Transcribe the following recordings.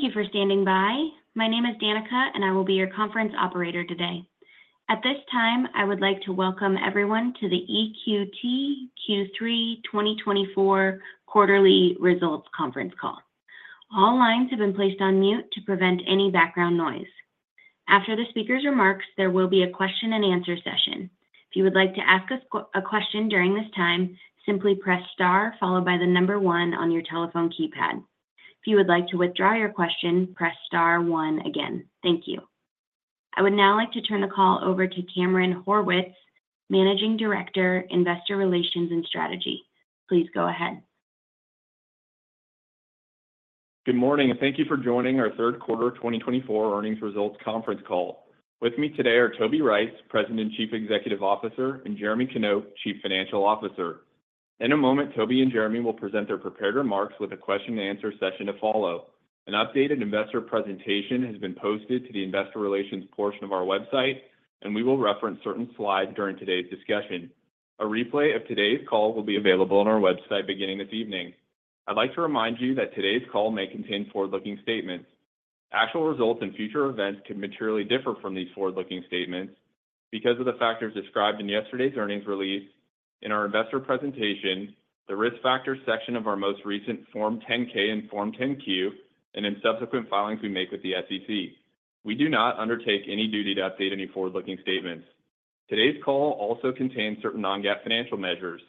Thank you for standing by. My name is Danica, and I will be your conference operator today. At this time, I would like to welcome everyone to the EQT Q3 2024 Quarterly Results Conference Call. All lines have been placed on mute to prevent any background noise. After the speaker's remarks, there will be a question-and-answer session. If you would like to ask a question during this time, simply press star followed by the number one on your telephone keypad. If you would like to withdraw your question, press star one again. Thank you. I would now like to turn the call over to Cameron Horwitz, Managing Director, Investor Relations and Strategy. Please go ahead. Good morning, and thank you for joining our Q3 2024 Earnings Results Conference Call. With me today are Toby Rice, President and Chief Executive Officer, and Jeremy Knop, Chief Financial Officer. In a moment, Toby and Jeremy will present their prepared remarks with a question-and-answer session to follow. An updated investor presentation has been posted to the investor relations portion of our website, and we will reference certain slides during today's discussion. A replay of today's call will be available on our website beginning this evening. I'd like to remind you that today's call may contain forward-looking statements. Actual results and future events could materially differ from these forward-looking statements because of the factors described in yesterday's earnings release, in our investor presentation, the risk factors section of our most recent Form 10-K and Form 10-Q, and in subsequent filings we make with the SEC. We do not undertake any duty to update any forward-looking statements. Today's call also contains certain non-GAAP financial measures.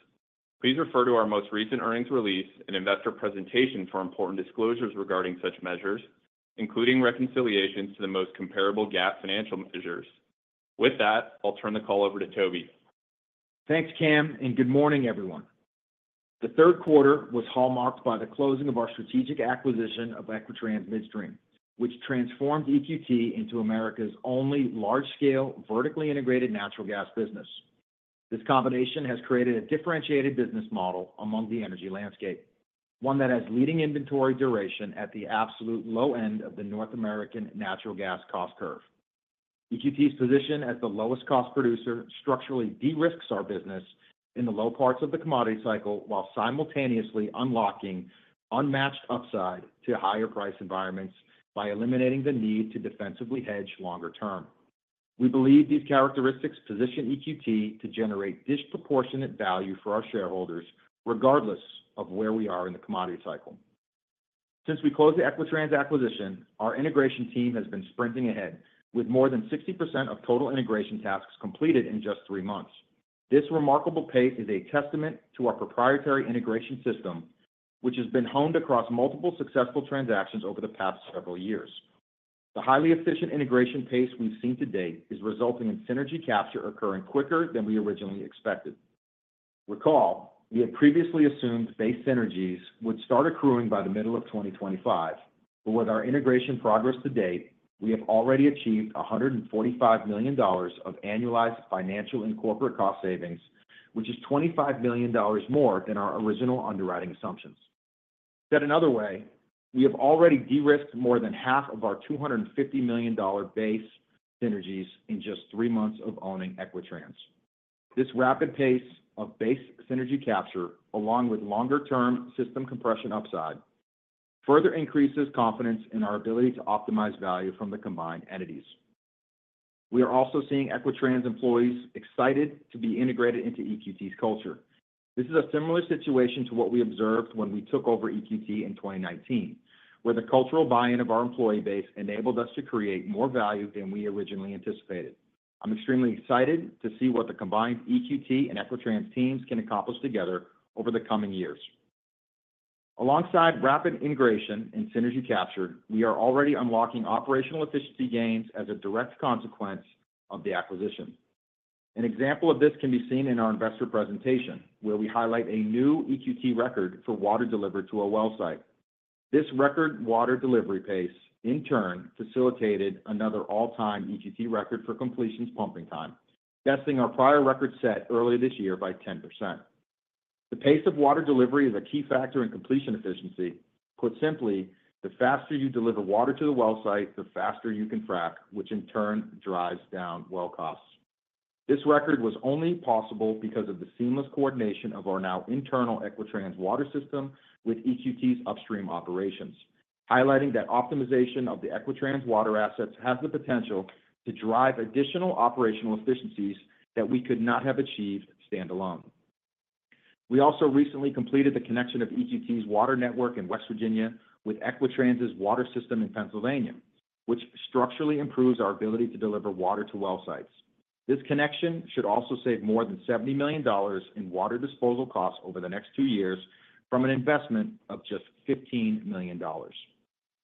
Please refer to our most recent earnings release and investor presentation for important disclosures regarding such measures, including reconciliations to the most comparable GAAP financial measures. With that, I'll turn the call over to Toby. Thanks, Cam, and good morning, everyone. The Q3 was hallmarked by the closing of our strategic acquisition of Equitrans Midstream, which transformed EQT into America's only large-scale, vertically integrated natural gas business. This combination has created a differentiated business model among the energy landscape, one that has leading inventory duration at the absolute low end of the North American natural gas cost curve. EQT's position as the lowest cost producer structurally de-risks our business in the low parts of the commodity cycle while simultaneously unlocking unmatched upside to higher price environments by eliminating the need to defensively hedge longer term. We believe these characteristics position EQT to generate disproportionate value for our shareholders, regardless of where we are in the commodity cycle. Since we closed the Equitrans acquisition, our integration team has been sprinting ahead with more than 60% of total integration tasks completed in just three months. This remarkable pace is a testament to our proprietary integration system, which has been honed across multiple successful transactions over the past several years. The highly efficient integration pace we've seen to date is resulting in synergy capture occurring quicker than we originally expected. Recall, we had previously assumed base synergies would start accruing by the middle of 2025, but with our integration progress to date, we have already achieved $145 million of annualized financial and corporate cost savings, which is $25 million more than our original underwriting assumptions. Said another way, we have already de-risked more than half of our $250 million base synergies in just three months of owning Equitrans. This rapid pace of base synergy capture, along with longer-term system compression upside, further increases confidence in our ability to optimize value from the combined entities. We are also seeing Equitrans employees excited to be integrated into EQT's culture. This is a similar situation to what we observed when we took over EQT in 2019, where the cultural buy-in of our employee base enabled us to create more value than we originally anticipated. I'm extremely excited to see what the combined EQT and Equitrans teams can accomplish together over the coming years. Alongside rapid integration and synergy capture, we are already unlocking operational efficiency gains as a direct consequence of the acquisition. An example of this can be seen in our investor presentation, where we highlight a new EQT record for water delivered to a well site. This record water delivery pace, in turn, facilitated another all-time EQT record for completions pumping time, besting our prior record set earlier this year by 10%. The pace of water delivery is a key factor in completion efficiency. Put simply, the faster you deliver water to the well site, the faster you can frack, which in turn drives down well costs. This record was only possible because of the seamless coordination of our now internal Equitrans water system with EQT's upstream operations, highlighting that optimization of the Equitrans water assets has the potential to drive additional operational efficiencies that we could not have achieved standalone. We also recently completed the connection of EQT's water network in West Virginia with Equitrans' water system in Pennsylvania, which structurally improves our ability to deliver water to well sites. This connection should also save more than $70 million in water disposal costs over the next two years from an investment of just $15 million,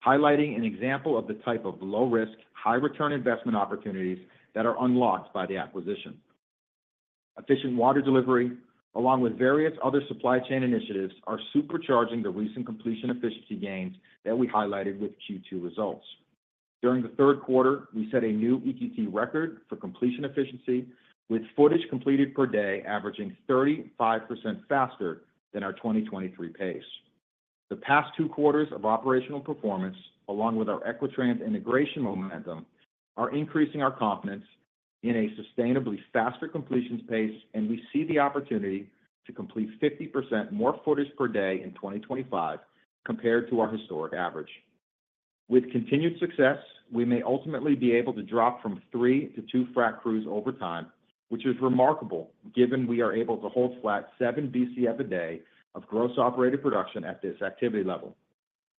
highlighting an example of the type of low-risk, high-return investment opportunities that are unlocked by the acquisition. Efficient water delivery, along with various other supply chain initiatives, are supercharging the recent completion efficiency gains that we highlighted with Q2 results. During the Q3, we set a new EQT record for completion efficiency, with footage completed per day averaging 35% faster than our 2023 pace. The past two quarters of operational performance, along with our Equitrans integration momentum, are increasing our confidence in a sustainably faster completions pace, and we see the opportunity to complete 50% more footage per day in 2025 compared to our historic average. With continued success, we may ultimately be able to drop from three to two frack crews over time, which is remarkable given we are able to hold flat 7 BCF a day of gross operated production at this activity level.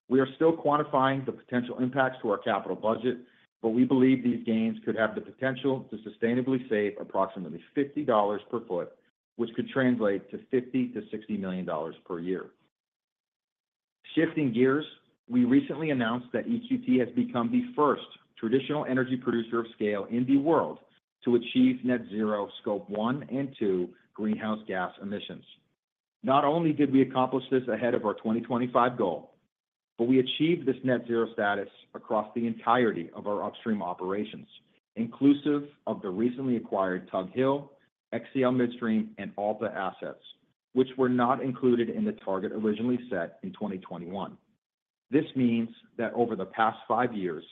We are still quantifying the potential impacts to our capital budget, but we believe these gains could have the potential to sustainably save approximately $50 per foot, which could translate to $50-$60 million per year. Shifting gears, we recently announced that EQT has become the first traditional energy producer of scale in the world to achieve Net Zero Scope 1 and 2 greenhouse gas emissions. Not only did we accomplish this ahead of our 2025 goal, but we achieved this Net Zero status across the entirety of our upstream operations, inclusive of the recently acquired Tug Hill, XCL Midstream, and ALPHA assets, which were not included in the target originally set in 2021. This means that over the past five years,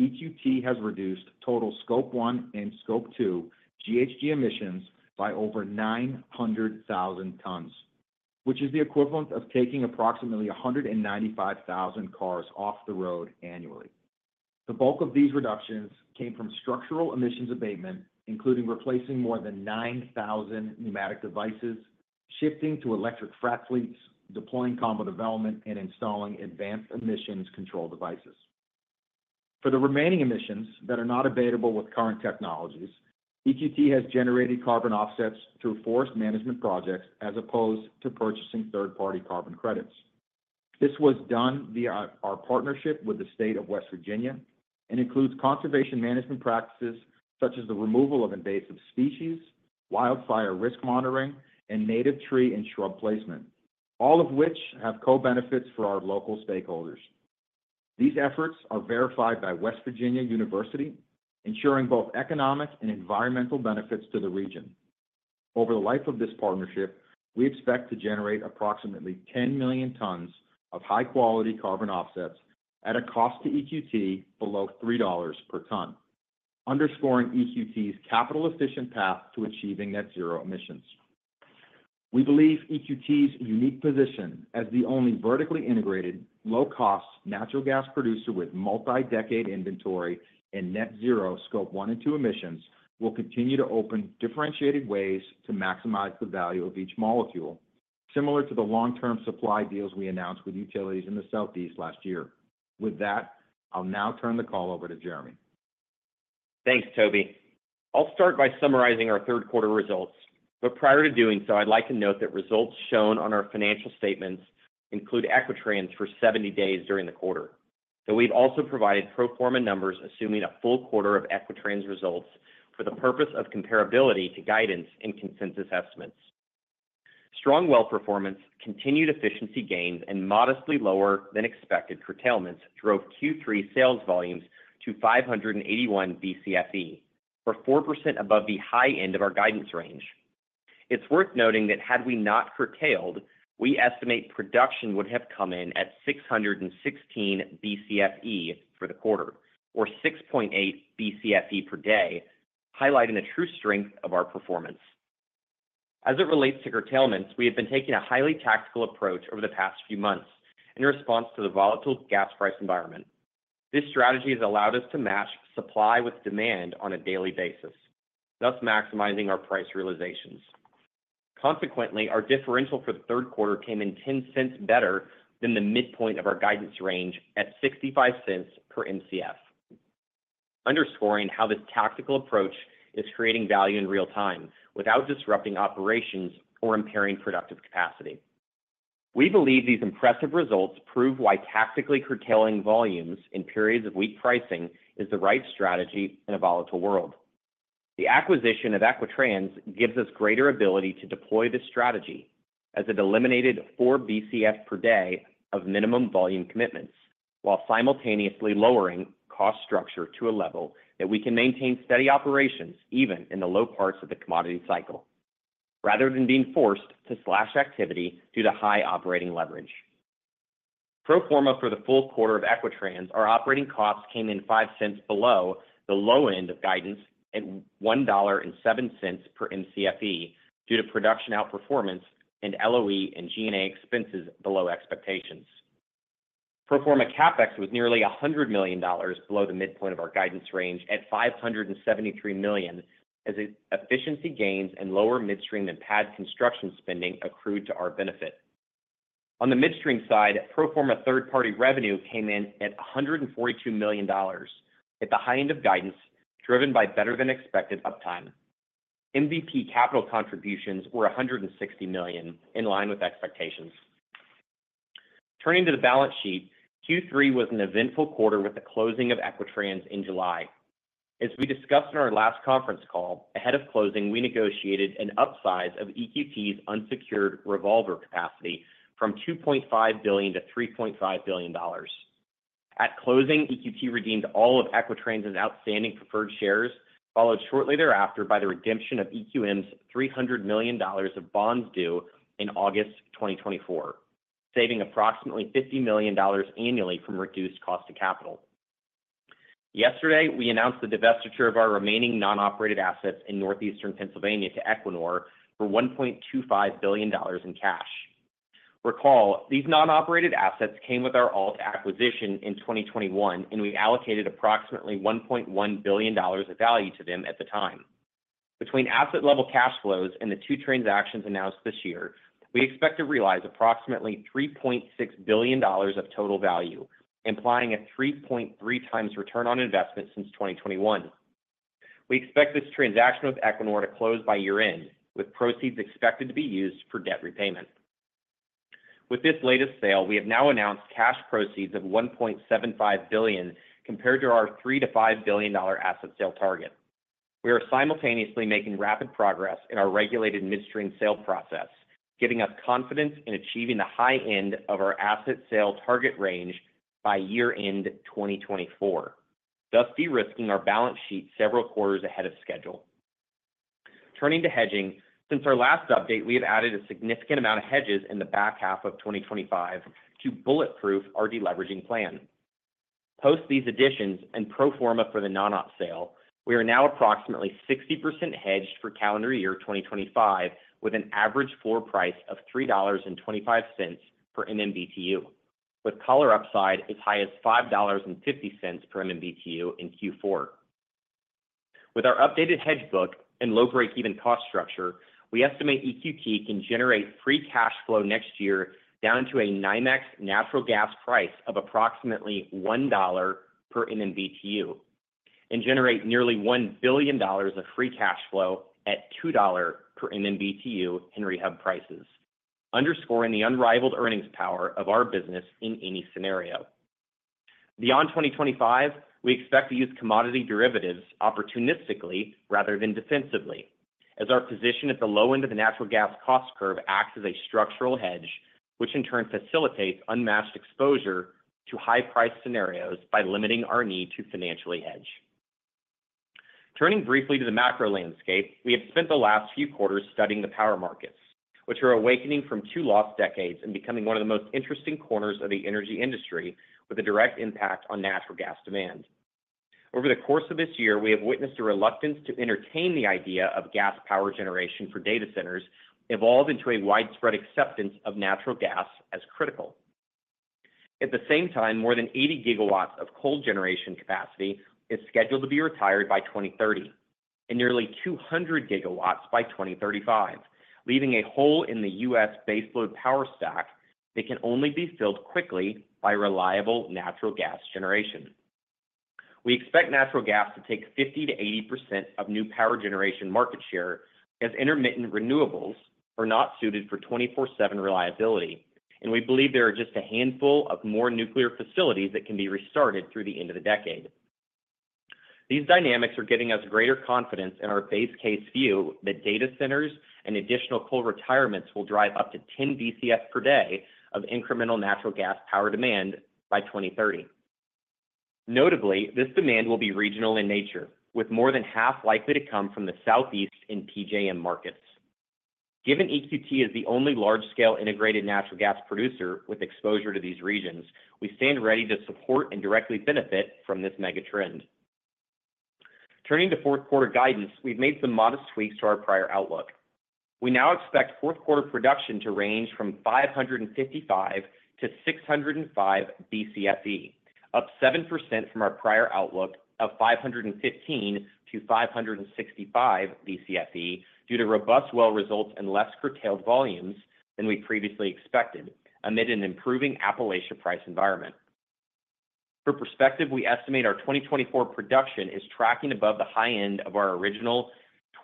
EQT has reduced total scope one and scope two GHG emissions by over 900,000 tons, which is the equivalent of taking approximately 195,000 cars off the road annually. The bulk of these reductions came from structural emissions abatement, including replacing more than 9,000 pneumatic devices, shifting to electric frack fleets, deploying combo development, and installing advanced emissions control devices. For the remaining emissions that are not abatable with current technologies, EQT has generated carbon offsets through forest management projects as opposed to purchasing third-party carbon credits. This was done via our partnership with the state of West Virginia and includes conservation management practices such as the removal of invasive species, wildfire risk monitoring, and native tree and shrub placement, all of which have co-benefits for our local stakeholders. These efforts are verified by West Virginia University, ensuring both economic and environmental benefits to the region. Over the life of this partnership, we expect to generate approximately 10 million tons of high-quality carbon offsets at a cost to EQT below $3 per ton, underscoring EQT's capital-efficient path to achieving Net Zero emissions. We believe EQT's unique position as the only vertically integrated, low-cost natural gas producer with multi-decade inventory and Net Zero Scope 1 and 2 emissions will continue to open differentiated ways to maximize the value of each molecule, similar to the long-term supply deals we announced with utilities in the Southeast last year. With that, I'll now turn the call over to Jeremy. Thanks, Toby. I'll start by summarizing our Q3 results, but prior to doing so, I'd like to note that results shown on our financial statements include Equitrans for 70 days during the quarter. Though we've also provided pro forma numbers assuming a full quarter of Equitrans results for the purpose of comparability to guidance and consensus estimates. Strong well performance, continued efficiency gains, and modestly lower-than-expected curtailments drove Q3 sales volumes to 581 BCFE, or 4% above the high end of our guidance range. It's worth noting that had we not curtailed, we estimate production would have come in at 616 BCFE for the quarter, or 6.8 BCFE per day, highlighting the true strength of our performance. As it relates to curtailments, we have been taking a highly tactical approach over the past few months in response to the volatile gas price environment. This strategy has allowed us to match supply with demand on a daily basis, thus maximizing our price realizations. Consequently, our differential for the Q3 came in 10 cents better than the midpoint of our guidance range at 65 cents per MCF, underscoring how this tactical approach is creating value in real time without disrupting operations or impairing productive capacity. We believe these impressive results prove why tactically curtailing volumes in periods of weak pricing is the right strategy in a volatile world. The acquisition of Equitrans gives us greater ability to deploy this strategy as it eliminated 4 BCF per day of minimum volume commitments, while simultaneously lowering cost structure to a level that we can maintain steady operations even in the low parts of the commodity cycle, rather than being forced to slash activity due to high operating leverage. Pro forma for the full quarter of Equitrans, our operating costs came in $0.05 below the low end of guidance at $1.07 per MCFE due to production outperformance and LOE and G&A expenses below expectations. Pro forma CapEx was nearly $100 million below the midpoint of our guidance range at $573 million as efficiency gains and lower midstream and pad construction spending accrued to our benefit. On the midstream side, pro forma third-party revenue came in at $142 million at the high end of guidance, driven by better-than-expected uptime. MVP capital contributions were $160 million, in line with expectations. Turning to the balance sheet, Q3 was an eventful quarter with the closing of Equitrans in July. As we discussed in our last conference call, ahead of closing, we negotiated an upsize of EQT's unsecured revolver capacity from $2.5 billion to $3.5 billion. At closing, EQT redeemed all of Equitrans' outstanding preferred shares, followed shortly thereafter by the redemption of EQM's $300 million of bonds due in August 2024, saving approximately $50 million annually from reduced cost of capital. Yesterday, we announced the divestiture of our remaining non-operated assets in Northeastern Pennsylvania to Equinor for $1.25 billion in cash. Recall, these non-operated assets came with our Alta acquisition in 2021, and we allocated approximately $1.1 billion of value to them at the time. Between asset-level cash flows and the two transactions announced this year, we expect to realize approximately $3.6 billion of total value, implying a 3.3 times return on investment since 2021. We expect this transaction with Equinor to close by year-end, with proceeds expected to be used for debt repayment. With this latest sale, we have now announced cash proceeds of $1.75 billion compared to our $3-$5 billion asset sale target. We are simultaneously making rapid progress in our regulated midstream sale process, giving us confidence in achieving the high end of our asset sale target range by year-end 2024, thus de-risking our balance sheet several quarters ahead of schedule. Turning to hedging, since our last update, we have added a significant amount of hedges in the back half of 2025 to bulletproof our deleveraging plan. Post these additions and pro forma for the non-op sale, we are now approximately 60% hedged for calendar year 2025 with an average floor price of $3.25 per MMBTU, with collar upside as high as $5.50 per MMBTU in Q4. With our updated hedge book and low-break-even cost structure, we estimate EQT can generate free cash flow next year down to a NYMEX natural gas price of approximately $1 per MMBTU and generate nearly $1 billion of free cash flow at $2 per MMBTU and higher prices, underscoring the unrivaled earnings power of our business in any scenario. Beyond 2025, we expect to use commodity derivatives opportunistically rather than defensively, as our position at the low end of the natural gas cost curve acts as a structural hedge, which in turn facilitates unmatched exposure to high-priced scenarios by limiting our need to financially hedge. Turning briefly to the macro landscape, we have spent the last few quarters studying the power markets, which are awakening from two lost decades and becoming one of the most interesting corners of the energy industry, with a direct impact on natural gas demand. Over the course of this year, we have witnessed a reluctance to entertain the idea of gas power generation for data centers evolve into a widespread acceptance of natural gas as critical. At the same time, more than 80 gigawatts of coal generation capacity is scheduled to be retired by 2030, and nearly 200 gigawatts by 2035, leaving a hole in the U.S. baseload power stack that can only be filled quickly by reliable natural gas generation. We expect natural gas to take 50%-80% of new power generation market share as intermittent renewables are not suited for 24/7 reliability, and we believe there are just a handful of more nuclear facilities that can be restarted through the end of the decade. These dynamics are giving us greater confidence in our base case view that data centers and additional coal retirements will drive up to 10 BCF per day of incremental natural gas power demand by 2030. Notably, this demand will be regional in nature, with more than half likely to come from the Southeast and PJM markets. Given EQT is the only large-scale integrated natural gas producer with exposure to these regions, we stand ready to support and directly benefit from this mega trend. Turning to Q4 guidance, we've made some modest tweaks to our prior outlook. We now expect Q4 production to range from 555-605 BCFE, up 7% from our prior outlook of 515-565 BCFE due to robust well results and less curtailed volumes than we previously expected amid an improving Appalachia price environment. For perspective, we estimate our 2024 production is tracking above the high end of our original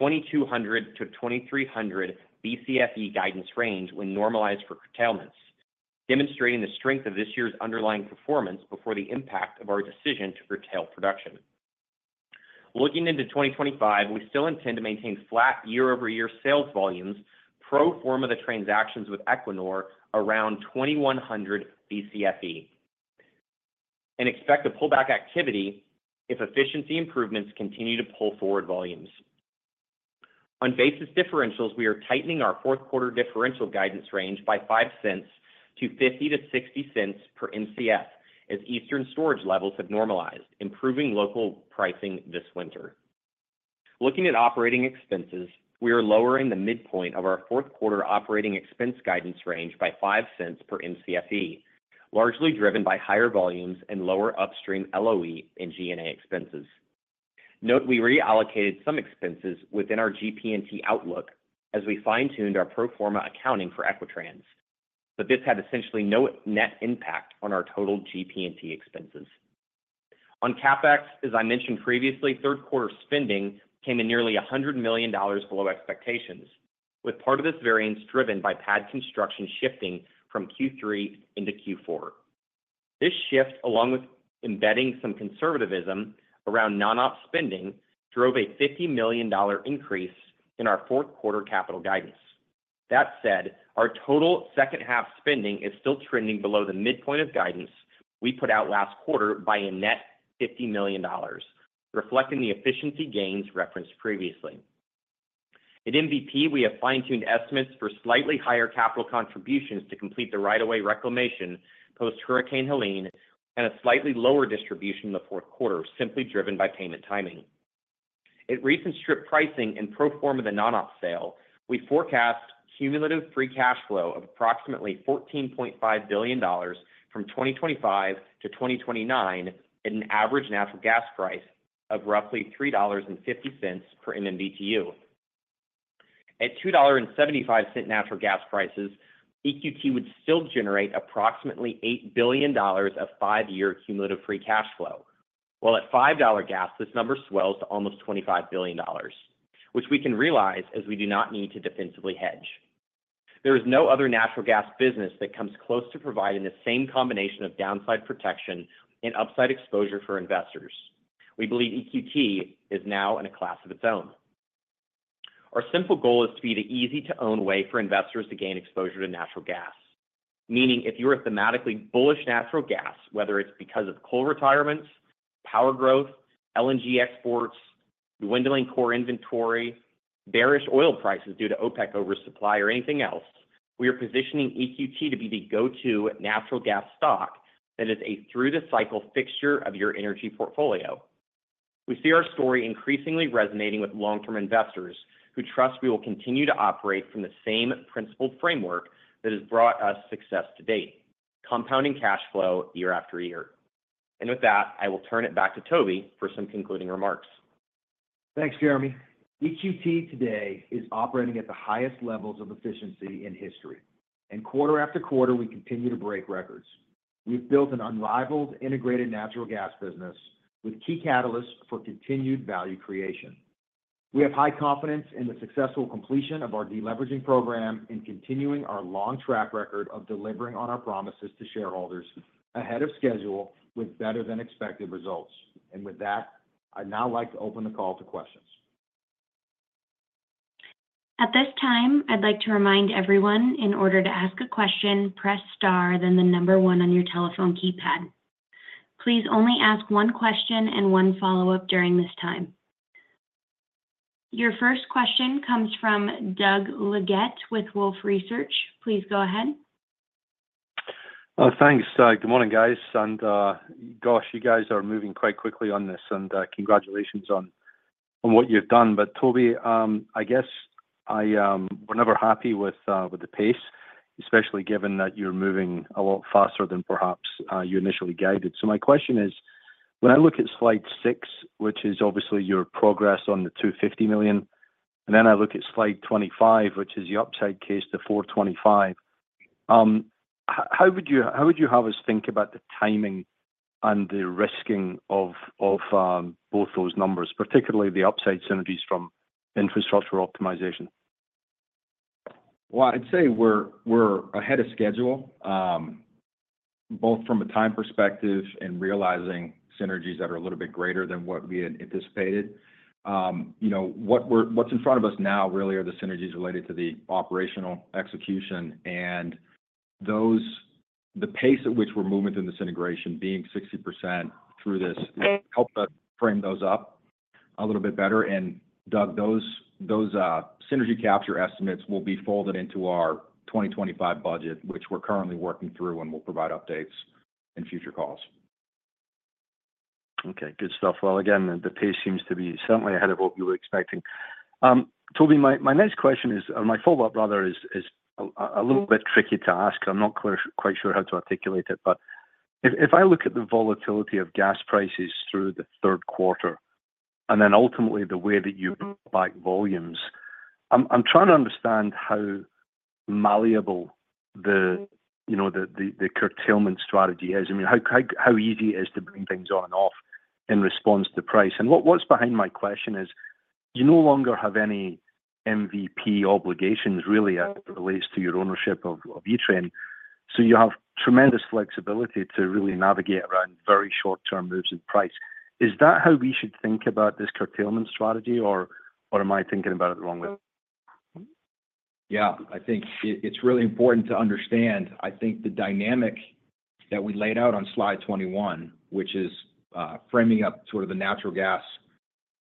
2,200-2,300 BCFE guidance range when normalized for curtailments, demonstrating the strength of this year's underlying performance before the impact of our decision to curtail production. Looking into 2025, we still intend to maintain flat year-over-year sales volumes pro forma of the transactions with Equinor around 2,100 BCFE and expect to pull back activity if efficiency improvements continue to pull forward volumes. On basis differentials, we are tightening our Q4 differential guidance range by $0.05 to $0.50-$0.60 per MCF as eastern storage levels have normalized, improving local pricing this winter. Looking at operating expenses, we are lowering the midpoint of our Q4 operating expense guidance range by $0.05 per MCFE, largely driven by higher volumes and lower upstream LOE and G&A expenses. Note we reallocated some expenses within our GP&T outlook as we fine-tuned our pro forma accounting for Equitrans, but this had essentially no net impact on our total GP&T expenses. On CapEx, as I mentioned previously, Q3 spending came in nearly $100 million below expectations, with part of this variance driven by pad construction shifting from Q3 into Q4. This shift, along with embedding some conservatism around non-op spending, drove a $50 million increase in our Q4 capital guidance. That said, our total second half spending is still trending below the midpoint of guidance we put out last quarter by a net $50 million, reflecting the efficiency gains referenced previously. At MVP, we have fine-tuned estimates for slightly higher capital contributions to complete the right-of-way reclamation post-Hurricane Helene and a slightly lower distribution in the Q4, simply driven by payment timing. At recent strip pricing and pro forma of the non-op sale, we forecast cumulative free cash flow of approximately $14.5 billion from 2025 to 2029 at an average natural gas price of roughly $3.50 per MMBTU. At $2.75 natural gas prices, EQT would still generate approximately $8 billion of five-year cumulative free cash flow, while at $5 gas, this number swells to almost $25 billion, which we can realize as we do not need to defensively hedge. There is no other natural gas business that comes close to providing the same combination of downside protection and upside exposure for investors. We believe EQT is now in a class of its own. Our simple goal is to be the easy-to-own way for investors to gain exposure to natural gas, meaning if you are a thematically bullish natural gas, whether it's because of coal retirements, power growth, LNG exports, dwindling core inventory, bearish oil prices due to OPEC oversupply, or anything else, we are positioning EQT to be the go-to natural gas stock that is a through-the-cycle fixture of your energy portfolio. We see our story increasingly resonating with long-term investors who trust we will continue to operate from the same principled framework that has brought us success to date: compounding cash flow year after year. And with that, I will turn it back to Toby for some concluding remarks. Thanks, Jeremy. EQT today is operating at the highest levels of efficiency in history, and quarter-after-quarter, we continue to break records. We've built an unrivaled integrated natural gas business with key catalysts for continued value creation. We have high confidence in the successful completion of our deleveraging program and continuing our long track record of delivering on our promises to shareholders ahead of schedule with better-than-expected results. And with that, I'd now like to open the call to questions. At this time, I'd like to remind everyone in order to ask a question, press star, then the number one on your telephone keypad. Please only ask one question and one follow-up during this time. Your first question comes from Doug Leggate with Wolfe Research. Please go ahead. Thanks, Doug. Good morning, guys. And gosh, you guys are moving quite quickly on this, and congratulations on what you've done. But Toby, I guess I was never happy with the pace, especially given that you're moving a lot faster than perhaps you initially guided. So my question is, when I look at slide six, which is obviously your progress on the $250 million, and then I look at slide 25, which is the upside case to $425, how would you have us think about the timing and the risking of both those numbers, particularly the upside synergies from infrastructure optimization? Well, I'd say we're ahead of schedule, both from a time perspective and realizing synergies that are a little bit greater than what we had anticipated. What's in front of us now really are the synergies related to the operational execution, and the pace at which we're moving through this integration, being 60% through this, helped us frame those up a little bit better. Doug, those synergy capture estimates will be folded into our 2025 budget, which we're currently working through, and we'll provide updates in future calls. Okay. Good stuff. Again, the pace seems to be certainly ahead of what we were expecting. Toby, my next question is, or my follow-up rather, a little bit tricky to ask. I'm not quite sure how to articulate it, but if I look at the volatility of gas prices through the Q3 and then ultimately the way that you've brought back volumes, I'm trying to understand how malleable the curtailment strategy is. I mean, how easy it is to bring things on and off in response to price. What's behind my question is you no longer have any MVC obligations really as it relates to your ownership of Equitrans, so you have tremendous flexibility to really navigate around very short-term moves in price. Is that how we should think about this curtailment strategy, or am I thinking about it the wrong way? Yeah. I think it's really important to understand, I think, the dynamic that we laid out on slide 21, which is framing up sort of the natural gas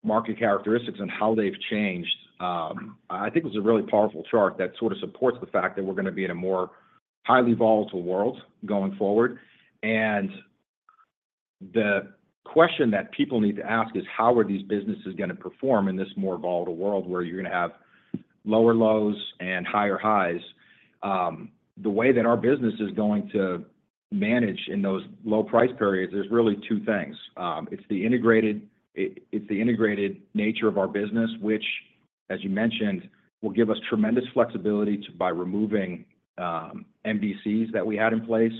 market characteristics and how they've changed. I think it was a really powerful chart that sort of supports the fact that we're going to be in a more highly volatile world going forward. The question that people need to ask is, how are these businesses going to perform in this more volatile world where you're going to have lower lows and higher highs? The way that our business is going to manage in those low price periods, there's really two things. It's the integrated nature of our business, which, as you mentioned, will give us tremendous flexibility by removing MVCs that we had in place.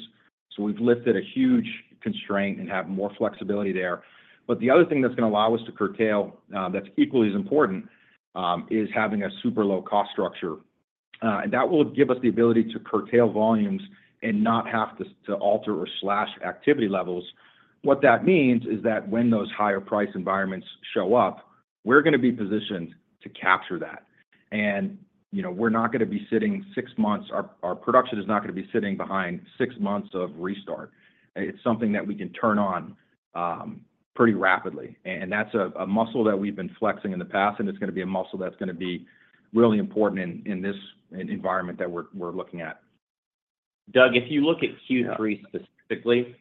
So we've lifted a huge constraint and have more flexibility there. But the other thing that's going to allow us to curtail that's equally as important is having a super low cost structure. And that will give us the ability to curtail volumes and not have to alter or slash activity levels. What that means is that when those higher price environments show up, we're going to be positioned to capture that. And we're not going to be sitting six months. Our production is not going to be sitting behind six months of restart. It's something that we can turn on pretty rapidly. That's a muscle that we've been flexing in the past, and it's going to be a muscle that's going to be really important in this environment that we're looking at. Doug, if you look at Q3 specifically,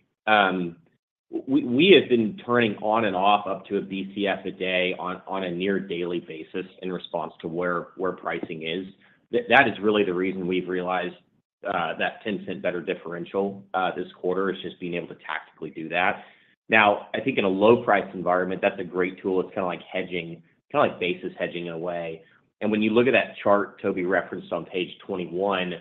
we have been turning on and off up to a BCF a day on a near daily basis in response to where pricing is. That is really the reason we've realized that $0.10 better differential this quarter is just being able to tactically do that. Now, I think in a low-priced environment, that's a great tool. It's kind of like hedging, kind of like basis hedging in a way. And when you look at that chart Toby referenced on page 21,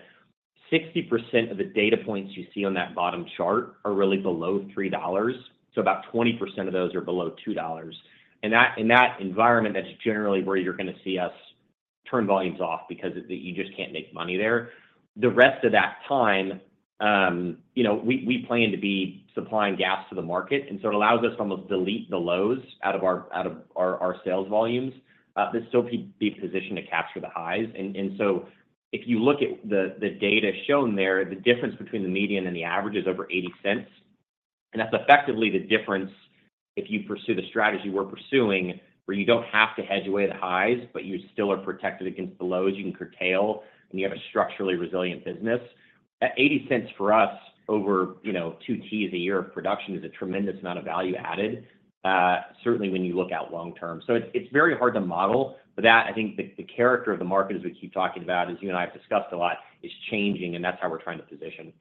60% of the data points you see on that bottom chart are really below $3. So about 20% of those are below $2. And that environment, that's generally where you're going to see us turn volumes off because you just can't make money there. The rest of that time, we plan to be supplying gas to the market, and so it allows us to almost delete the lows out of our sales volumes. But still be positioned to capture the highs. And so if you look at the data shown there, the difference between the median and the average is over $0.80. And that's effectively the difference if you pursue the strategy we're pursuing where you don't have to hedge away the highs, but you still are protected against the lows. You can curtail, and you have a structurally resilient business. At $0.80 for us, over two T's a year of production is a tremendous amount of value added, certainly when you look out long term. So it's very hard to model. But that, I think the character of the market as we keep talking about, as you and I have discussed a lot, is changing, and that's how we're trying to position.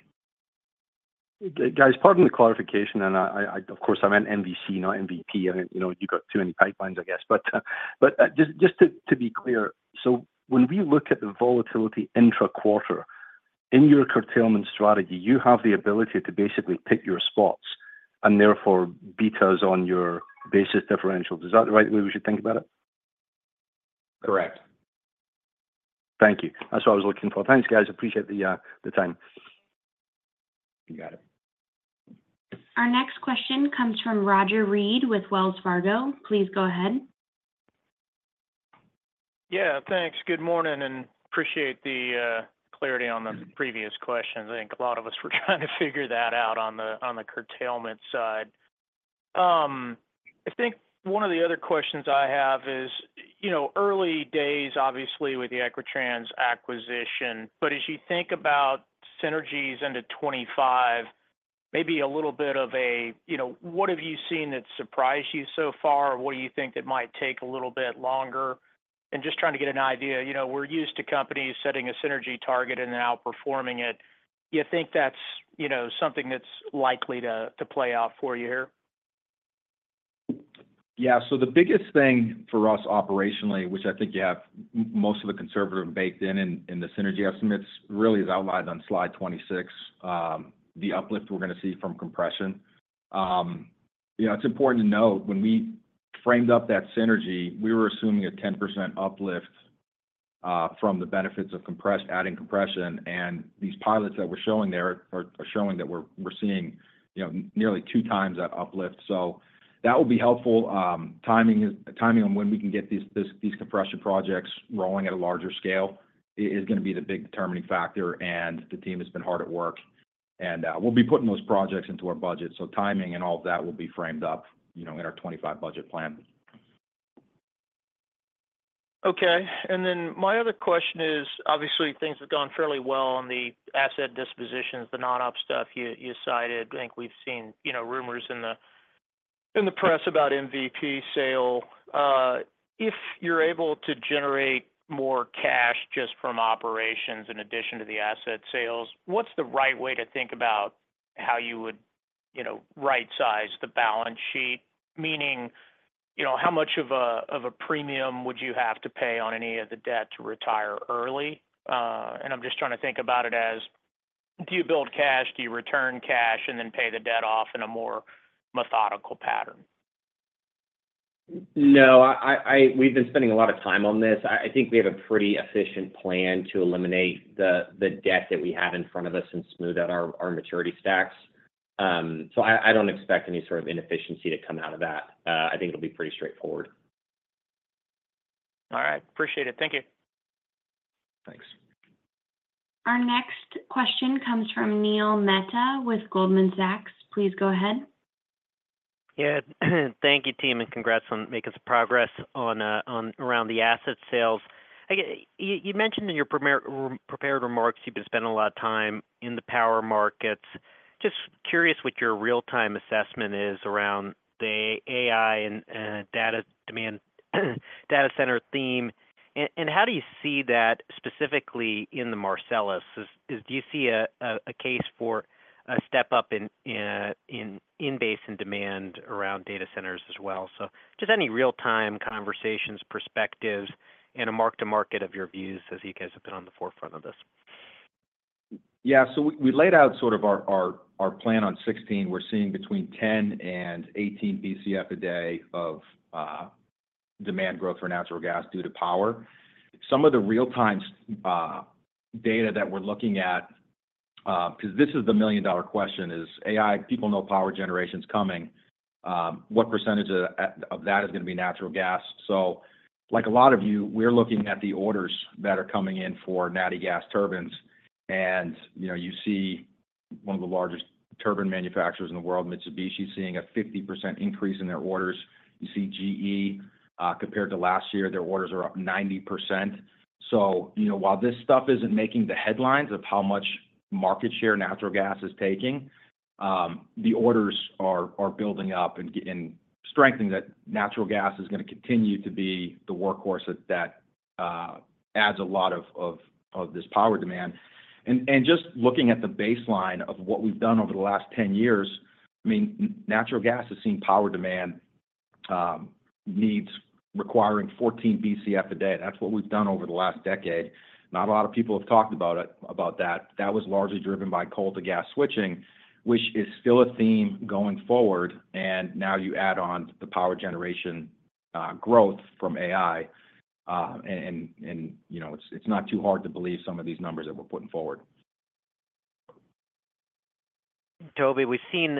Guys, pardon the clarification, and of course, I'm an MVC, not MVP. I mean, you've got too many pipelines, I guess. But just to be clear, so when we look at the volatility intra-quarter, in your curtailment strategy, you have the ability to basically pick your spots and therefore beat those on your basis differential. Is that the right way we should think about it? Correct. Thank you. That's what I was looking for. Thanks, guys. Appreciate the time. You got it. Our next question comes from Roger Read with Wells Fargo. Please go ahead. Yeah. Thanks. Good morning, and appreciate the clarity on the previous questions. I think a lot of us were trying to figure that out on the curtailment side. I think one of the other questions I have is early days, obviously, with the Equitrans acquisition. But as you think about synergies into 2025, maybe a little bit of a what have you seen that surprised you so far? What do you think that might take a little bit longer? And just trying to get an idea, we're used to companies setting a synergy target and then outperforming it. Do you think that's something that's likely to play out for you here? Yeah. So the biggest thing for us operationally, which I think you have most of the conservative baked in in the synergy estimates, really is outlined on slide 26, the uplift we're going to see from compression. It's important to note when we framed up that synergy, we were assuming a 10% uplift from the benefits of adding compression. And these pilots that we're showing there are showing that we're seeing nearly two times that uplift. So that will be helpful. Timing on when we can get these compression projects rolling at a larger scale is going to be the big determining factor, and the team has been hard at work. And we'll be putting those projects into our budget. So timing and all of that will be framed up in our 2025 budget plan. Okay. And then my other question is, obviously, things have gone fairly well on the asset dispositions, the non-op stuff you cited. I think we've seen rumors in the press about MVP sale. If you're able to generate more cash just from operations in addition to the asset sales, what's the right way to think about how you would right-size the balance sheet? Meaning, how much of a premium would you have to pay on any of the debt to retire early? And I'm just trying to think about it as, do you build cash, do you return cash, and then pay the debt off in a more methodical pattern? No. We've been spending a lot of time on this. I think we have a pretty efficient plan to eliminate the debt that we have in front of us and smooth out our maturity stacks. So I don't expect any sort of inefficiency to come out of that. I think it'll be pretty straightforward. All right. Appreciate it. Thank you. Thanks. Our next question comes from Neil Mehta with Goldman Sachs. Please go ahead. Yeah. Thank you, team, and congrats on making some progress around the asset sales. You mentioned in your prepared remarks you've been spending a lot of time in the power markets. Just curious what your real-time assessment is around the AI and data center theme. And how do you see that specifically in the Marcellus? Do you see a case for a step up in in-basin and demand around data centers as well? So just any real-time conversations, perspectives, and a mark-to-market of your views as you guys have been on the forefront of this. Yeah. So we laid out sort of our plan on 2016. We're seeing between 10 and 18 BCF a day of demand growth for natural gas due to power. Some of the real-time data that we're looking at, because this is the million-dollar question, is AI. People know power generation's coming. What percentage of that is going to be natural gas? So like a lot of you, we're looking at the orders that are coming in for natural gas turbines. And you see one of the largest turbine manufacturers in the world, Mitsubishi, seeing a 50% increase in their orders. You see GE, compared to last year, their orders are up 90%. So while this stuff isn't making the headlines of how much market share natural gas is taking, the orders are building up and strengthening that natural gas is going to continue to be the workhorse that adds a lot of this power demand. And just looking at the baseline of what we've done over the last 10 years, I mean, natural gas has seen power demand needs requiring 14 BCF a day. That's what we've done over the last decade. Not a lot of people have talked about that. That was largely driven by coal-to-gas switching, which is still a theme going forward. And now you add on the power generation growth from AI, and it's not too hard to believe some of these numbers that we're putting forward. Toby, we've seen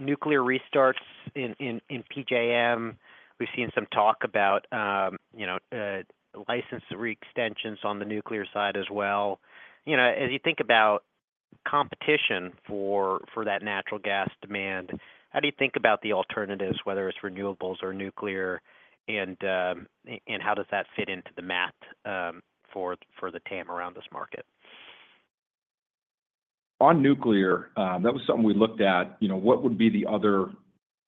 nuclear restarts in PJM. We've seen some talk about license re-extensions on the nuclear side as well. As you think about competition for that natural gas demand, how do you think about the alternatives, whether it's renewables or nuclear, and how does that fit into the math for the TAM around this market? On nuclear, that was something we looked at. What would be the other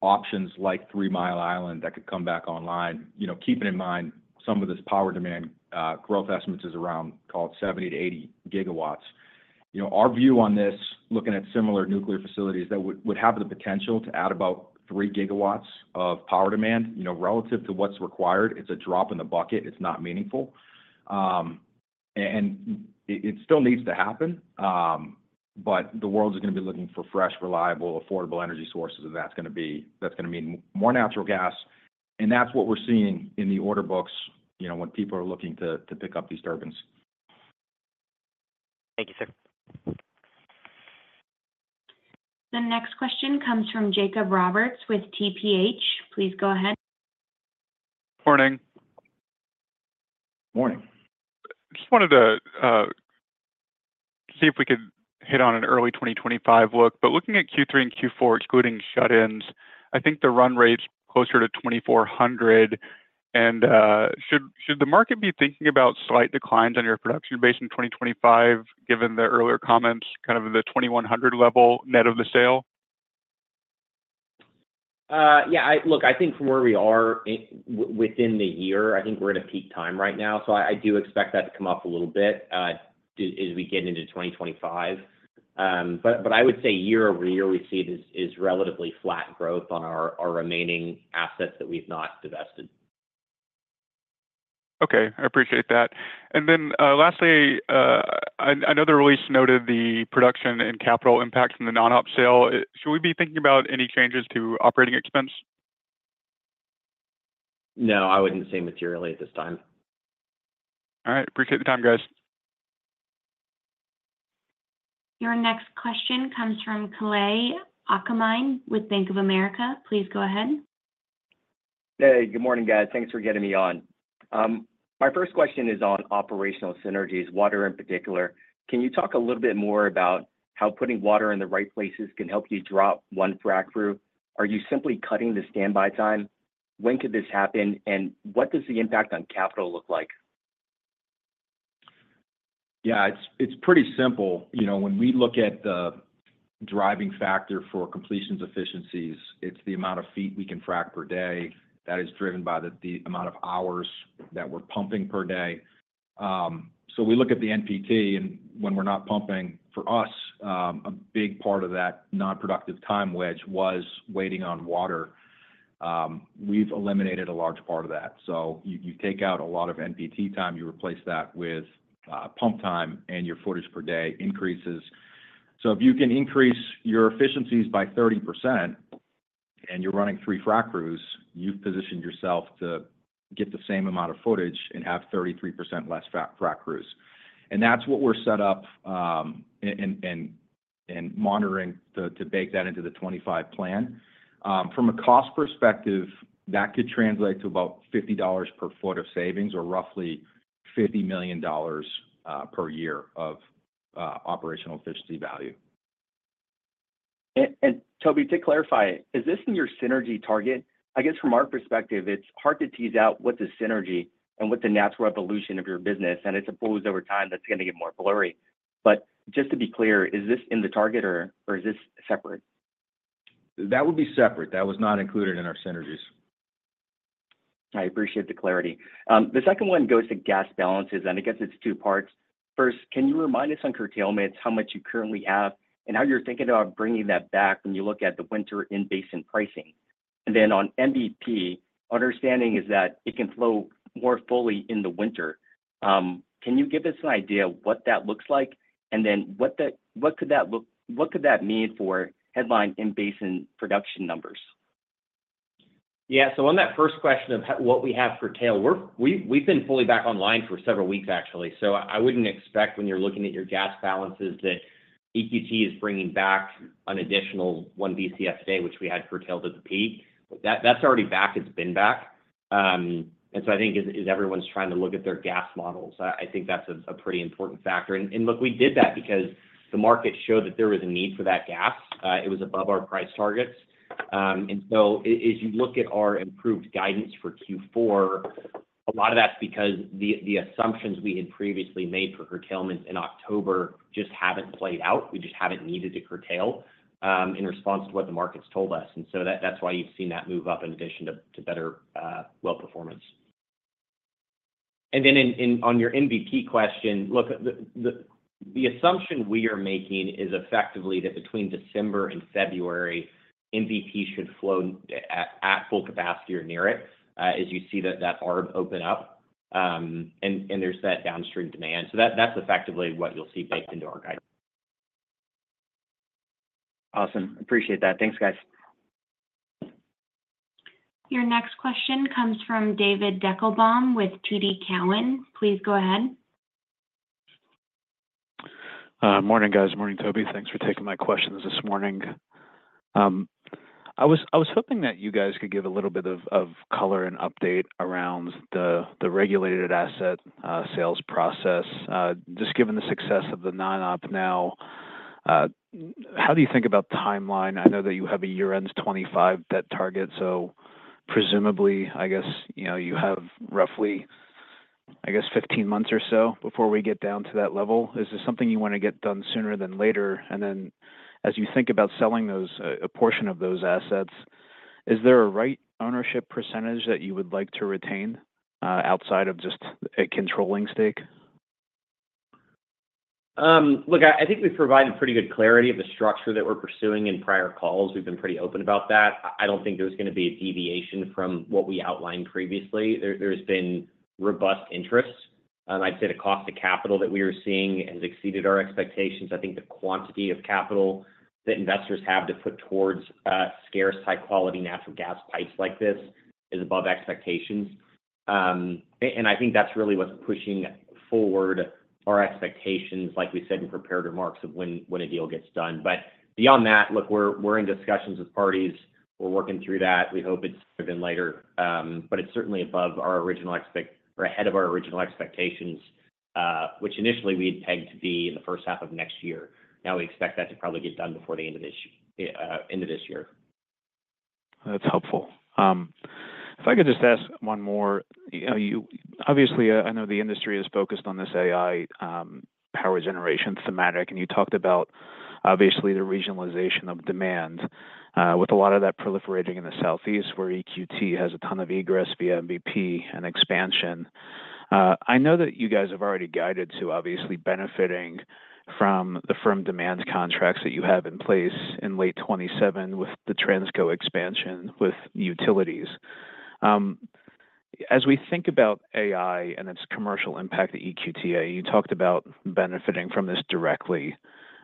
options like Three Mile Island that could come back online? Keeping in mind some of this power demand growth estimates is around, call it 70-80 gigawatts. Our view on this, looking at similar nuclear facilities that would have the potential to add about three gigawatts of power demand relative to what's required, it's a drop in the bucket. It's not meaningful. And it still needs to happen, but the world is going to be looking for fresh, reliable, affordable energy sources, and that's going to mean more natural gas. And that's what we're seeing in the order books when people are looking to pick up these turbines. Thank you, sir. The next question comes from Jacob Roberts with TPH. Please go ahead. Morning. Just wanted to see if we could hit on an early 2025 look. But looking at Q3 and Q4, excluding shut-ins, I think the run rate's closer to 2,400. And should the market be thinking about slight declines on your production base in 2025, given the earlier comments, kind of the 2,100 level net of the sale? Yeah. Look, I think from where we are within the year, I think we're at a peak time right now. So I do expect that to come up a little bit as we get into 2025. But I would say year over year, we see this as relatively flat growth on our remaining assets that we've not divested. Okay. I appreciate that. And then lastly, I know the release noted the production and capital impact from the non-op sale. Should we be thinking about any changes to operating expense? No. I wouldn't say materially at t his time. All right. Appreciate the time, guys. Your next question comes from Kalei Akamine with Bank of America. Please go ahead. Hey, good morning, guys. Thanks for getting me on. My first question is on operational synergies, water in particular. Can you talk a little bit more about how putting water in the right places can help you drop one frac crew? Are you simply cutting the standby time? When could this happen? And what does the impact on capital look like? Yeah. It's pretty simple. When we look at the driving factor for completions efficiencies, it's the amount of feet we can frac per day that is driven by the amount of hours that we're pumping per day. So we look at the NPT, and when we're not pumping, for us, a big part of that non-productive time wedge was waiting on water. We've eliminated a large part of that. So you take out a lot of NPT time, you replace that with pump time, and your footage per day increases. So if you can increase your efficiencies by 30% and you're running three frac crews, you've positioned yourself to get the same amount of footage and have 33% less frac crews. And that's what we're set up and monitoring to bake that into the 2025 plan. From a cost perspective, that could translate to about $50 per foot of savings or roughly $50 million per year of operational efficiency value. And Toby, to clarify, is this in your synergy target? I guess from our perspective, it's hard to tease out what's a synergy and what's a natural evolution of your business. And it's a blur over time that's going to get more blurry. But just to be clear, is this in the target or is this separate? That would be separate. That was not included in our synergies. I appreciate the clarity. The second one goes to gas balances, and I guess it's two parts. First, can you remind us on curtailments how much you currently have and how you're thinking about bringing that back when you look at the winter in-basin and pricing? And then on MVP, understanding is that it can flow more fully in the winter. Can you give us an idea of what that looks like? And then what could that mean for headline in-basin and production numbers? Yeah. So on that first question of what we have curtailed, we've been fully back online for several weeks, actually. So I wouldn't expect when you're looking at your gas balances that EQT is bringing back an additional 1 BCF a day, which we had curtailed at the peak. That's already back. It's been back. And so I think as everyone's trying to look at their gas models, I think that's a pretty important factor. And look, we did that because the market showed that there was a need for that gas. It was above our price targets. And so as you look at our improved guidance for Q4, a lot of that's because the assumptions we had previously made for curtailments in October just haven't played out. We just haven't needed to curtail in response to what the market's told us. And so that's why you've seen that move up in addition to better well performance. And then on your MVP question, look, the assumption we are making is effectively that between December and February, MVP should flow at full capacity or near it as you see that arc open up. And there's that downstream demand. So that's effectively what you'll see baked into our guidance. Awesome. Appreciate that. Thanks, guys. Your next question comes from David Deckelbaum with TD Cowen. Please go ahead. Morning, guys. Morning, Toby. Thanks for taking my questions this morning. I was hoping that you guys could give a little bit of color and update around the regulated asset sales process. Just given the success of the non-op now, how do you think about timeline? I know that you have a year-end 2025 debt target. So presumably, I guess you have roughly, I guess, 15 months or so before we get down to that level. Is this something you want to get done sooner than later? And then as you think about selling a portion of those assets, is there a right ownership percentage that you would like to retain outside of just a controlling stake? Look, I think we've provided pretty good clarity of the structure that we're pursuing in prior calls. We've been pretty open about that. I don't think there's going to be a deviation from what we outlined previously. There's been robust interest. I'd say the cost of capital that we were seeing has exceeded our expectations. I think the quantity of capital that investors have to put towards scarce, high-quality natural gas pipes like this is above expectations. And I think that's really what's pushing forward our expectations, like we said in prepared remarks of when a deal gets done. But beyond that, look, we're in discussions with parties. We're working through that. We hope it's even later. But it's certainly above our original or ahead of our original expectations, which initially we had pegged to be in the first half of next year. Now we expect that to probably get done before the end of this year. That's helpful. If I could just ask one more. Obviously, I know the industry is focused on this AI power generation thematic. And you talked about, obviously, the regionalization of demand with a lot of that proliferating in the Southeast where EQT has a ton of egress via MVP and expansion. I know that you guys have already guided to, obviously, benefiting from the firm demands contracts that you have in place in late 2027 with the Transco expansion with utilities. As we think about AI and its commercial impact to EQT, you talked about benefiting from this directly.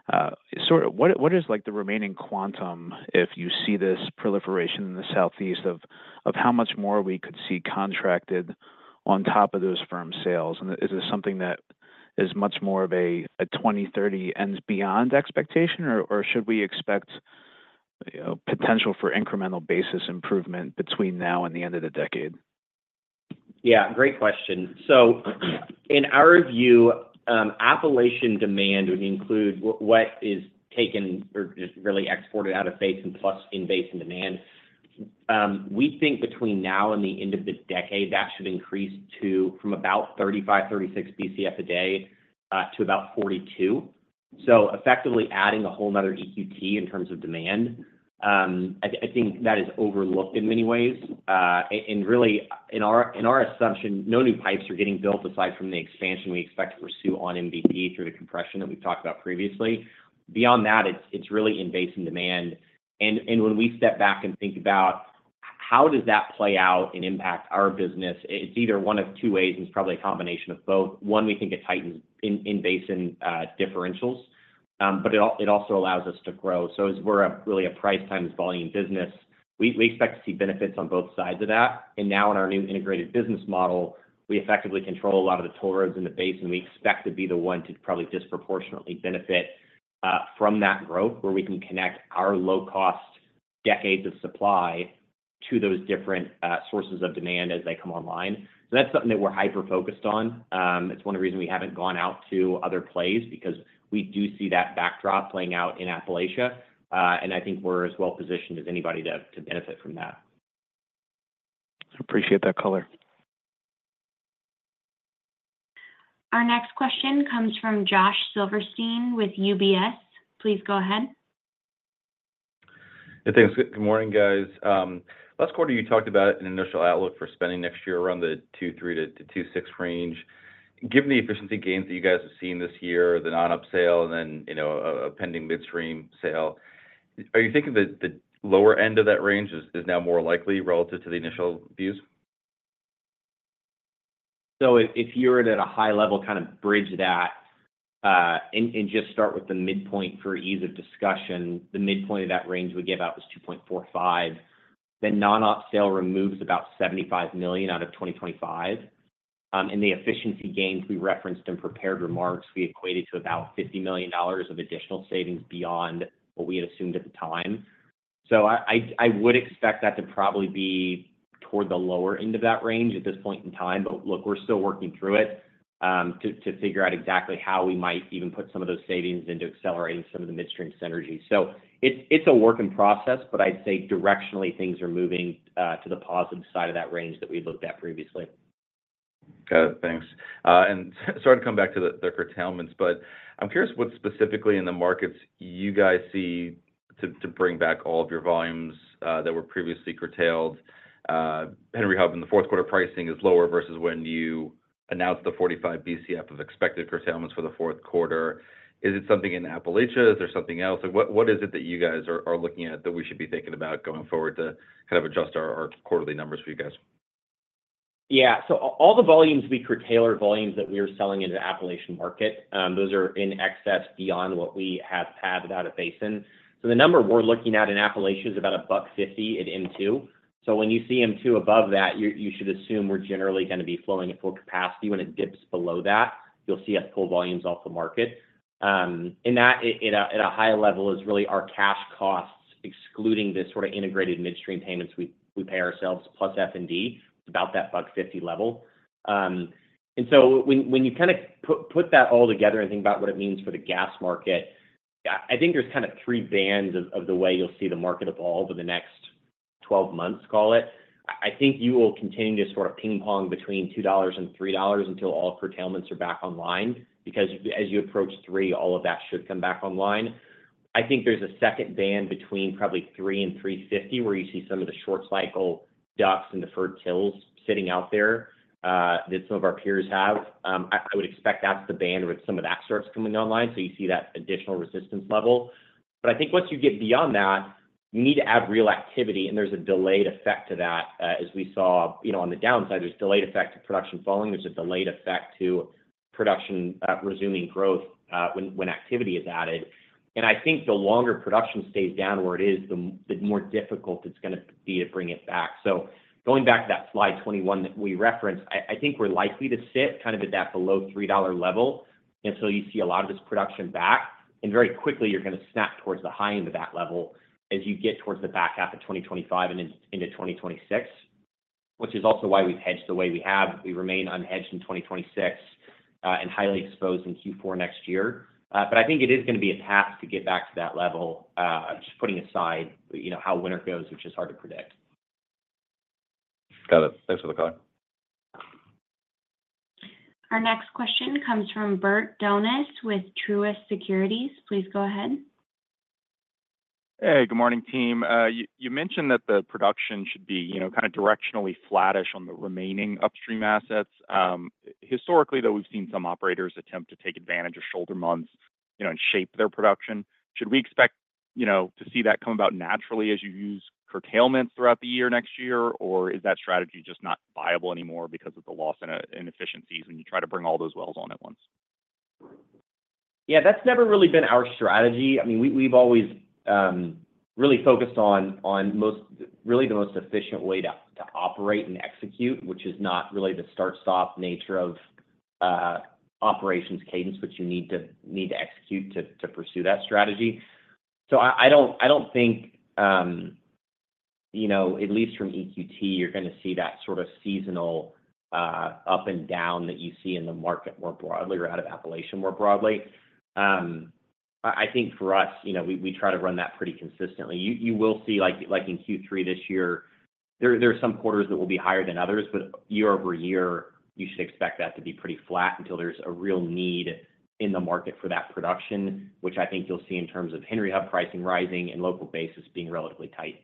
What is the remaining quantum if you see this proliferation in the Southeast of how much more we could see contracted on top of those firm sales? And is this something that is much more of a 2030 and beyond expectation, or should we expect potential for incremental basis improvement between now and the end of the decade? Yeah. Great question. So in our view, Appalachian demand would include what is taken or just really exported out of basin and plus in-basin demand. We think between now and the end of the decade, that should increase from about 35-36 BCF a day to about 42. So effectively adding a whole nother EQT in terms of demand. I think that is overlooked in many ways. And really, in our assumption, no new pipes are getting built aside from the expansion we expect to pursue on MVP through the compression that we've talked about previously. Beyond that, it's really in-basin demand. And when we step back and think about how does that play out and impact our business, it's either one of two ways, and it's probably a combination of both. One, we think it tightens in-basin and differentials, but it also allows us to grow. So as we're really a price-times-volume business, we expect to see benefits on both sides of that. And now in our new integrated business model, we effectively control a lot of the toll roads in the basin. And we expect to be the one to probably disproportionately benefit from that growth where we can connect our low-cost decades of supply to those different sources of demand as they come online. So that's something that we're hyper-focused on. It's one of the reasons we haven't gone out to other plays because we do see that backdrop playing out in Appalachia. And I think we're as well positioned as anybody to benefit from that. I appreciate that color. Our next question comes from Josh Silverstein with UBS. Please go ahead. Hey, thanks. Good morning, guys. Last quarter, you talked about an initial outlook for spending next year around the 2.3-2.6 range. Given the efficiency gains that you guys have seen this year, the non-op sale, and then a pending midstream sale, are you thinking that the lower end of that range is now more likely relative to the initial views? So if you were to, at a high level, kind of bridge that and just start with the midpoint for ease of discussion, the midpoint of that range we gave out was 2.45. The non-op sale removes about $75 million out of 2025. And the efficiency gains we referenced in prepared remarks, we equated to about $50 million of additional savings beyond what we had assumed at the time. So I would expect that to probably be toward the lower end of that range at this point in time. But look, we're still working through it to figure out exactly how we might even put some of those savings into accelerating some of the midstream synergy. So it's a work in process, but I'd say directionally, things are moving to the positive side of that range that we looked at previously. Got it. Thanks. And sorry to come back to the curtailments, but I'm curious what specifically in the markets you guys see to bring back all of your volumes that were previously curtailed? Henry Hub, in the Q4, pricing is lower versus when you announced the 45 BCF of expected curtailments for the Q4. Is it something in Appalachia? Is there something else? What is it that you guys are looking at that we should be thinking about going forward to kind of adjust our quarterly numbers for you guys? Yeah. So all the volumes we curtail are volumes that we are selling into the Appalachian market. Those are in excess beyond what we have had without a basin. So the number we're looking at in Appalachia is about $1.50 at MMBtu. So when you see MMBtu above that, you should assume we're generally going to be flowing at full capacity. When it dips below that, you'll see us pull volumes off the market. That, at a high level, is really our cash costs, excluding the sort of integrated midstream payments we pay ourselves plus F&D, about that $1.50 level. So when you kind of put that all together and think about what it means for the gas market, I think there's kind of three bands of the way you'll see the market evolve over the next 12 months, call it. I think you will continue to sort of ping-pong between $2 and $3 until all curtailments are back online because as you approach $3, all of that should come back online. I think there's a second band between probably $3 and $3.50 where you see some of the short-cycle DUCs and deferred wells sitting out there that some of our peers have. I would expect that's the band where some of that starts coming online. So you see that additional resistance level. But I think once you get beyond that, you need to add real activity. And there's a delayed effect to that. As we saw on the downside, there's a delayed effect to production falling. There's a delayed effect to production resuming growth when activity is added. And I think the longer production stays down where it is, the more difficult it's going to be to bring it back. So going back to that slide 21 that we referenced, I think we're likely to sit kind of at that below $3 level until you see a lot of this production back. And very quickly, you're going to snap towards the high end of that level as you get towards the back half of 2025 and into 2026, which is also why we've hedged the way we have. We remain unhedged in 2026 and highly exposed in Q4 next year. But I think it is going to be a path to get back to that level, just putting aside how winter goes, which is hard to predict. Got it. Thanks for the call. Our next question comes from Bert Donnes with Truist Securities. Please go ahead. Hey, good morning, team. You mentioned that the production should be kind of directionally flattish on the remaining upstream assets. Historically, though, we've seen some operators attempt to take advantage of shoulder months and shape their production. Should we expect to see that come about naturally as you use curtailments throughout the year next year, or is that strategy just not viable anymore because of the loss and inefficiencies when you try to bring all those wells on at once? Yeah, that's never really been our strategy. I mean, we've always really focused on really the most efficient way to operate and execute, which is not really the start-stop nature of operations cadence, which you need to execute to pursue that strategy. So I don't think, at least from EQT, you're going to see that sort of seasonal up and down that you see in the market more broadly or out of Appalachia more broadly. I think for us, we try to run that pretty consistently. You will see in Q3 this year, there are some quarters that will be higher than others, but year-over-year, you should expect that to be pretty flat until there's a real need in the market for that production, which I think you'll see in terms of Henry Hub pricing rising and local basis being relatively tight.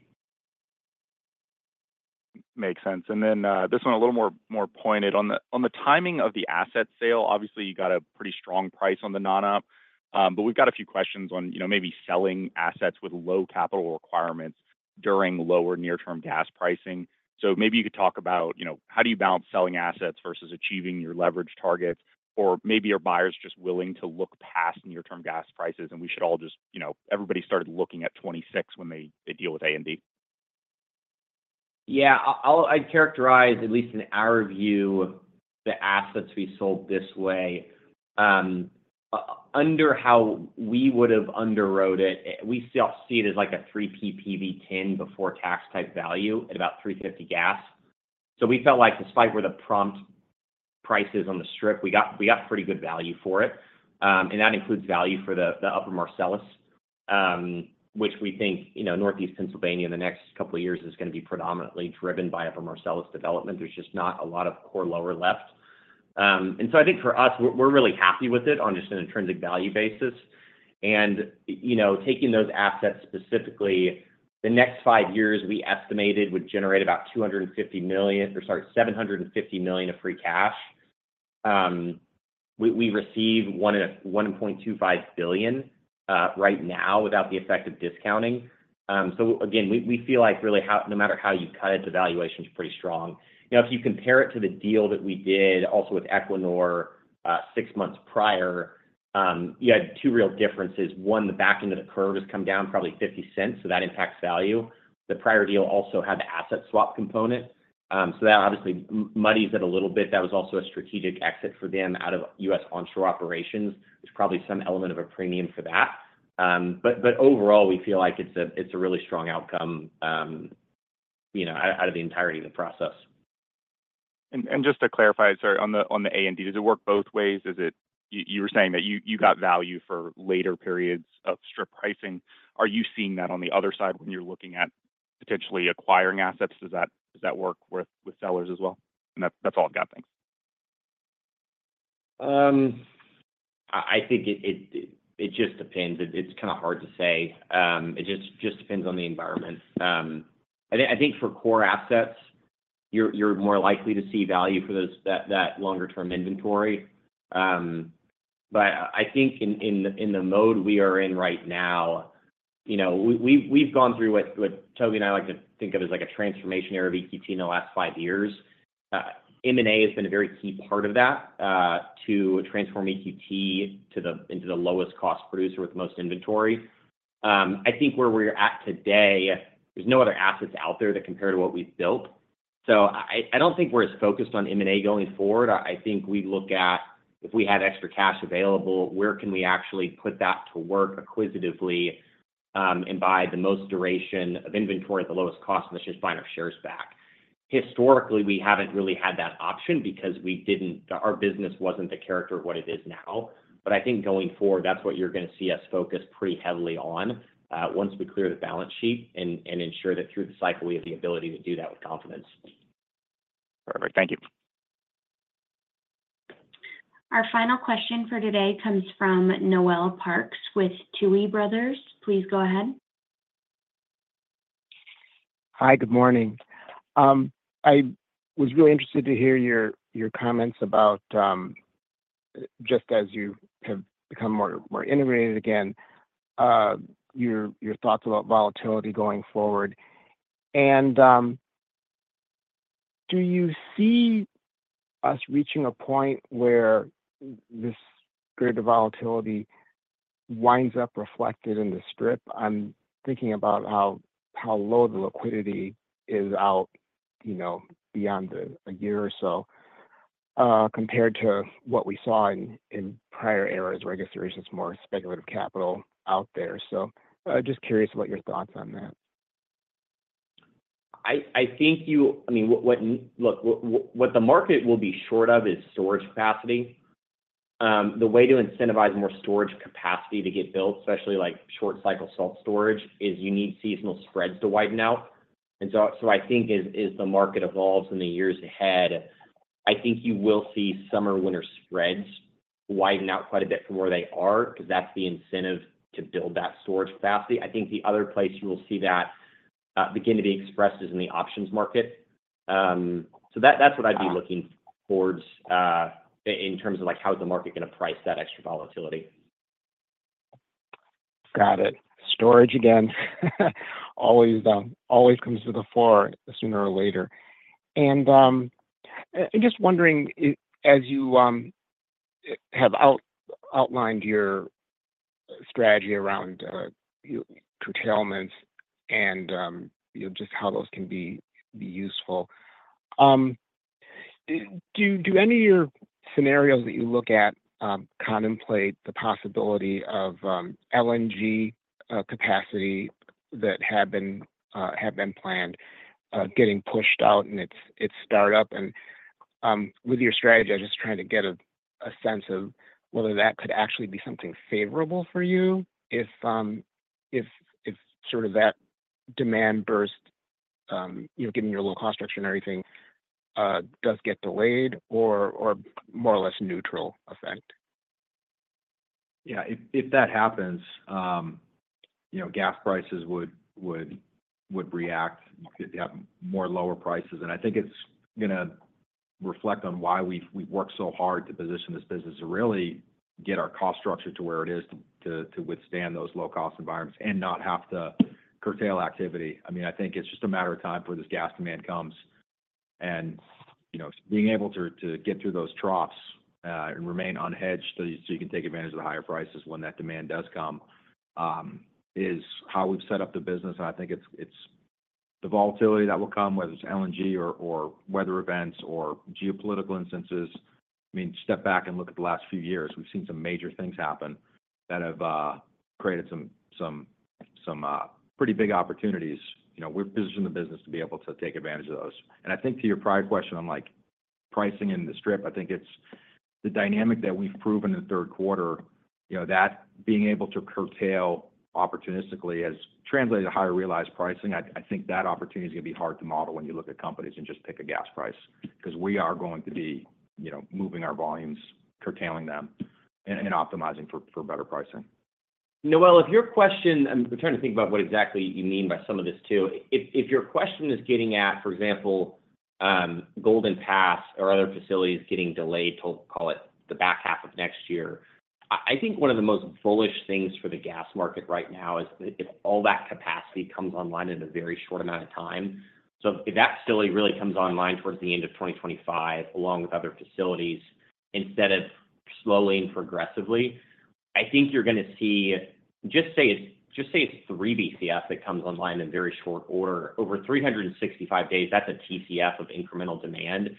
Makes sense. And then this one a little more pointed. On the timing of the asset sale, obviously, you got a pretty strong price on the non-op, but we've got a few questions on maybe selling assets with low capital requirements during lower near-term gas pricing. So maybe you could talk about how do you balance selling assets versus achieving your leverage targets, or maybe are buyers just willing to look past near-term gas prices and we should all just everybody started looking at 26 when they deal with A&D? Yeah. I'd characterize, at least in our view, the assets we sold this way under how we would have underwrote it. We still see it as like a 3P PV10 before tax type value at about 350 gas. So we felt like despite where the prompt price is on the strip, we got pretty good value for it. And that includes value for the Upper Marcellus, which we think Northeastern Pennsylvania in the next couple of years is going to be predominantly driven by Upper Marcellus development. There's just not a lot of core Lower Marcellus. And so I think for us, we're really happy with it on just an intrinsic value basis. And taking those assets specifically, the next five years we estimated would generate about $250 million or sorry, $750 million of free cash. We receive $1.25 billion right now without the effect of discounting. So again, we feel like really no matter how you cut it, the valuation is pretty strong. Now, if you compare it to the deal that we did also with Equinor six months prior, you had two real differences. One, the back end of the curve has come down probably $0.50, so that impacts value. The prior deal also had the asset swap component. So that obviously muddies it a little bit. That was also a strategic exit for them out of U.S. onshore operations. There's probably some element of a premium for that. But overall, we feel like it's a really strong outcome out of the entirety of the process. And just to clarify, sorry, on the A&D, does it work both ways? You were saying that you got value for later periods of strip pricing. Are you seeing that on the other side when you're looking at potentially acquiring assets? Does that work with sellers as well? And that's all I've got. Thanks. I think it just depends. It's kind of hard to say. It just depends on the environment. I think for core assets, you're more likely to see value for that longer-term inventory. But I think in the mode we are in right now, we've gone through what Toby and I like to think of as a transformation area of EQT in the last five years. M&A has been a very key part of that to transform EQT into the lowest-cost producer with the most inventory. I think where we're at today, there's no other assets out there that compare to what we've built. So I don't think we're as focused on M&A going forward. I think we look at if we have extra cash available, where can we actually put that to work acquisitively and buy the most duration of inventory at the lowest cost, and that's just buying our shares back. Historically, we haven't really had that option because our business wasn't the character of what it is now. But I think going forward, that's what you're going to see us focus pretty heavily on once we clear the balance sheet and ensure that through the cycle, we have the ability to do that with confidence. Perfect. Thank you. Our final question for today comes from Noel Parks with Tuohy Brothers. Please go ahead. Hi, good morning. I was really interested to hear your comments about just as you have become more integrated again, your thoughts about volatility going forward. And do you see us reaching a point where this grid of volatility winds up reflected in the strip? I'm thinking about how low the liquidity is out beyond a year or so compared to what we saw in prior eras where I guess there was just more speculative capital out there. So just curious about your thoughts on that. I think, I mean, look, what the market will be short of is storage capacity. The way to incentivize more storage capacity to get built, especially short-cycle salt storage, is you need seasonal spreads to widen out. And so I think as the market evolves in the years ahead, I think you will see summer-winter spreads widen out quite a bit from where they are because that's the incentive to build that storage capacity. I think the other place you will see that begin to be expressed is in the options market. So that's what I'd be looking towards in terms of how the market can appraise that extra volatility. Got it. Storage again always comes to the fore sooner or later. And just wondering, as you have outlined your strategy around curtailments and just how those can be useful, do any of your scenarios that you look at contemplate the possibility of LNG capacity that had been planned getting pushed out in its startup? And with your strategy, I'm just trying to get a sense of whether that could actually be something favorable for you if sort of that demand burst, given your low-cost structure and everything, does get delayed or more or less neutral effect? Yeah. If that happens, gas prices would react, have more lower prices. And I think it's going to reflect on why we've worked so hard to position this business to really get our cost structure to where it is to withstand those low-cost environments and not have to curtail activity. I mean, I think it's just a matter of time before this gas demand comes. Being able to get through those troughs and remain unhedged so you can take advantage of the higher prices when that demand does come is how we've set up the business. I think it's the volatility that will come, whether it's LNG or weather events or geopolitical instances. I mean, step back and look at the last few years. We've seen some major things happen that have created some pretty big opportunities. We've positioned the business to be able to take advantage of those. I think to your prior question on pricing in the strip, I think it's the dynamic that we've proven in the Q3, that being able to curtail opportunistically has translated to higher realized pricing. I think that opportunity is going to be hard to model when you look at companies and just pick a gas price because we are going to be moving our volumes, curtailing them, and optimizing for better pricing. Noel, if your question, I'm trying to think about what exactly you mean by some of this too. If your question is getting at, for example, Golden Pass or other facilities getting delayed to call it the back half of next year, I think one of the most bullish things for the gas market right now is if all that capacity comes online in a very short amount of time. So if that facility really comes online towards the end of 2025 along with other facilities instead of slowing progressively, I think you're going to see, just say it's 3 BCF that comes online in very short order. Over 365 days, that's a TCF of incremental demand.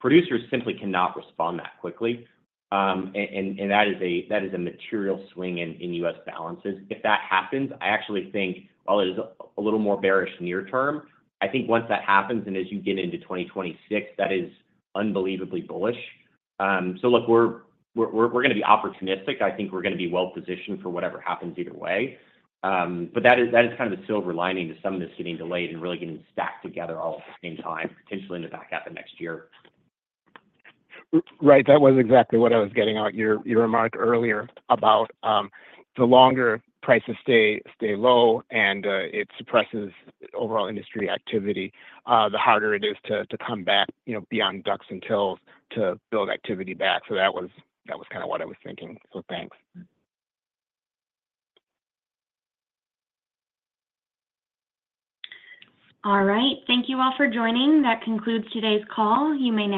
Producers simply cannot respond that quickly, and that is a material swing in U.S. balances. If that happens, I actually think, well, it is a little more bearish near term. I think once that happens and as you get into 2026, that is unbelievably bullish. So look, we're going to be opportunistic. I think we're going to be well-positioned for whatever happens either way. But that is kind of the silver lining to some of this getting delayed and really getting stacked together all at the same time, potentially in the back half of next year. Right. That was exactly what I was getting at your remark earlier about the longer prices stay low and it suppresses overall industry activity, the harder it is to come back beyond DUCs until to build activity back. So that was kind of what I was thinking. So thanks. All right. Thank you all for joining. That concludes today's call.